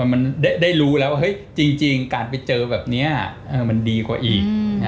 มันได้รู้แล้วว่าจริงการไปเจอแบบนี้มันดีกว่าอีก